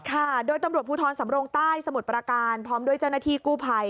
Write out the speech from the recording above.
ค่ะโดยตำรวจภูทรสำรงใต้สมุทรประการพร้อมด้วยเจ้าหน้าที่กู้ภัย